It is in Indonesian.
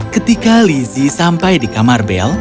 ketika lizzie sampai di kamar bel